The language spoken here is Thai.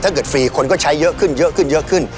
ฟรีคนก็ใช้เยอะขึ้นเยอะขึ้นเยอะขึ้น